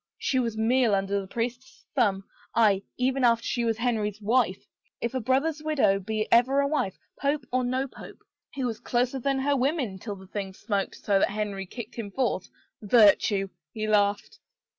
She was meal under the priest's thumb — aye, even after she was Henry's wife, — if a brother's widow be ever a wife, pope or no pope ! He was closer than her women till the thing smoked so that Henry kicked him forth. Virtue !" He laughed.